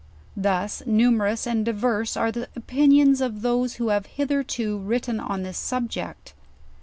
Thus numerous and diverse are the opinions of those who have hitherto written r,n this subject!